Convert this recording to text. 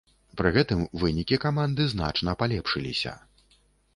Пры гэтым вынікі каманды значна палепшыліся.